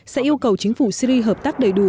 sẽ yêu cầu chính phủ syri hợp tác đầy đủ